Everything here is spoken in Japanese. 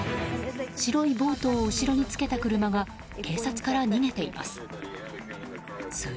白いボートを後ろにつけた車が警察から逃げています。